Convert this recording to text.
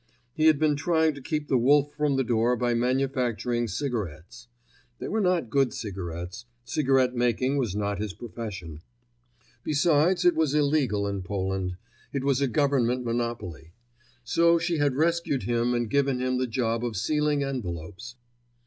He had been trying to keep the wolf from the door by manufacturing cigarettes. They were not good cigarettes—cigarette making was not his profession. Besides, it was illegal in Poland; it was a Government monopoly. So she had rescued him and given him the job of sealing; envelopes.